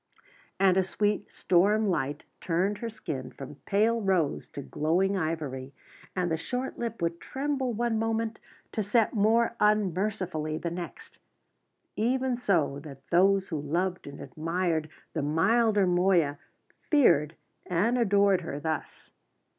And a sweet storm light turned her skin from pale rose to glowing ivory, and the short lip would tremble one moment to set more unmercifully the next. Even so that those who loved and admired the milder Moya, feared and adored her thus.